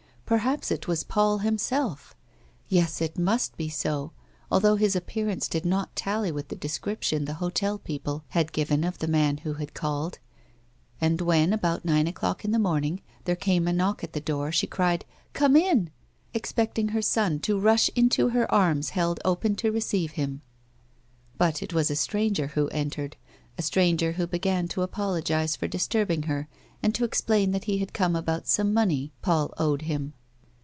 Perhaps it was Paul himsolf ! Yes, it must be so, although his appearance did not tally with the description the hotel people had given of the man who had called, and when, about nine o'clock in the morning, there came a knock at her door, she cried, " Come in !" expectin j: her son to rush into her arms held open to roeoive hiin. A WOMAN'S LIFE. 239 But it was a stranger who entered — a stranger who began to apologise for disturbing her and to explain that he had come about some money Paul owed him.